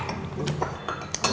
itu mah maunya dia bu